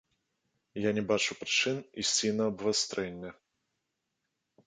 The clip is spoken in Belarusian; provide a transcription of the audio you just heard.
Я не бачу прычын ісці на абвастрэнне.